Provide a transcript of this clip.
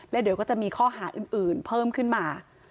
แล้วเดี๋ยวก็จะมีข้อหาอื่นเพิ่มขึ้นมา